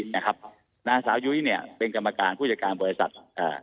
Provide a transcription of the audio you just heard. นะครับนางสาวยุ้ยเนี่ยเป็นกรรมการผู้จัดการบริษัทอ่า